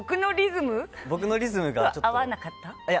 僕のリズムが合わなかった？